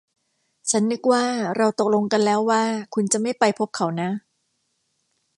ฉันนึกว่าเราตกลงกันแล้วว่าคุณจะไม่ไปพบเขานะ